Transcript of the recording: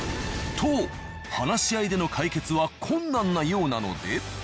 と話し合いでの解決は困難なようなので。